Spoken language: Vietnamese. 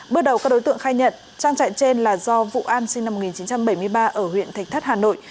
bước đầu các đối tượng khai nhận trang trại trên là do vụ an sinh năm một nghìn chín trăm bảy mươi ba ở huyện thạch thất hà nội